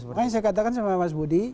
makanya saya katakan sama mas budi